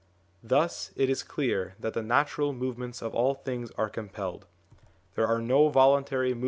Thus it is clear that the natural movements of all things are compelled; there are no voluntary move 1 i.